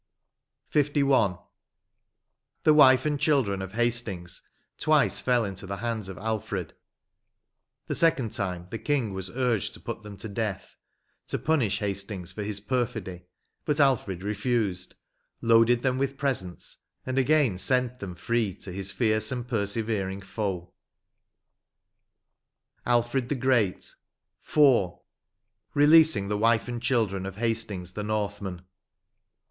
102 LI. The wife and children of Hastings twice fell into the hands of Alfred ; the second time the Eang was urged to put them to death, to punish Hastings for his perfidy, but Alfred refused, loaded them with presents, and again sent them free to his fierce and persevering foe. 103 LI. ALFRED THE GREAT. — IV. RELEASING THE WIFE AND CHILDREN OF HASTINGS THE NORTHMAN.